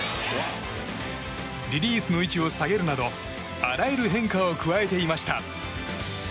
リリースの位置を下げるなどあらゆる変化を加えていました。